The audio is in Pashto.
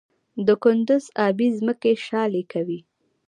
د کندز ابي ځمکې شالې کوي؟